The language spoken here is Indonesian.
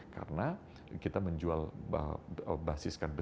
karena kita menjual basis karya nikel